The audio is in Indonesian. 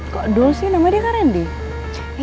kok dul sih namanya kan randy